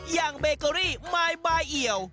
อย่างเบเกอรี่มายบายเอี่ยว